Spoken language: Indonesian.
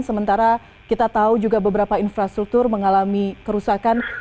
sementara kita tahu juga beberapa infrastruktur mengalami kerusakan